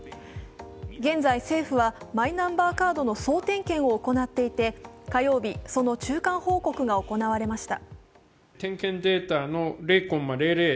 現在、政府はマイナンバーカードの総点検を行っていて、火曜日、その中間報告が行われました。